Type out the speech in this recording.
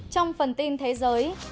trong phần tin thế giới